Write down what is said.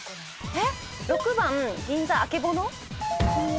えっ⁉６番銀座あけぼの？